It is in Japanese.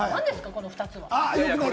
この２つ！